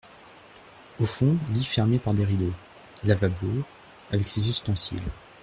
Au fond, lit fermé par des rideaux ; lavabo, avec ses ustensiles.